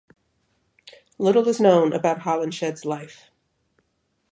Little is known about Holinshed's life.